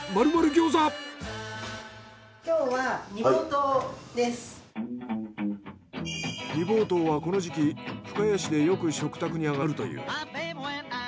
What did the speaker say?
そんな煮ぼうとうはこの時期深谷市でよく食卓に上がるという。